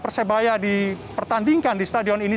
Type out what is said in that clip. persebaya dipertandingkan di stadion ini